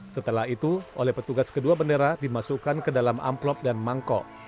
setelah itu oleh petugas kedua bendera dimasukkan ke dalam amplop dan mangkok